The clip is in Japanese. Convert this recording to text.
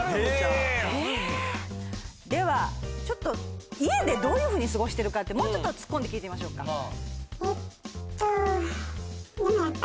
では家でどういうふうに過ごしてるかってもうちょっと突っ込んで聞いてみましょうか。